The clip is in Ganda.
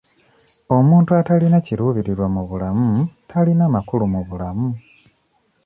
Omuntu atalina kiruubirirwa mu bulamu talina makulu mu bulamu.